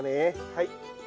はい。